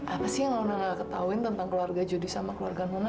apa sih yang nona gak ketahuin tentang keluarga jodi sama keluarga nona